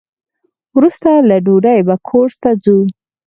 وروسته له ډوډۍ به کورس ته ځو.